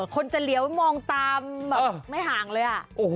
คนจะเหลียวมองตามแบบไม่ห่างเลย